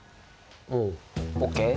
おオッケー。